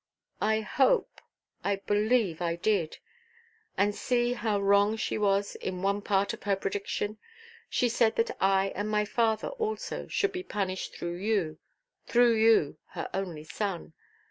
"I hope—I believe, I did. And see how wrong she was in one part of her prediction. She said that I and my father also should be punished through you, through you, her only son.